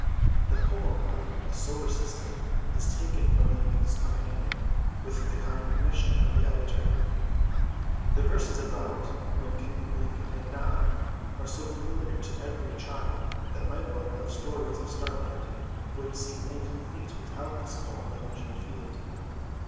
The poem on "The Solar System" is taken from the Youth's Companion, with the kind permission of the editor. The verses about "Wynken, Blynken, and Nod" are so familiar to every child that my book of Stories of Starland would seem incomplete without this poem by Eugene Field.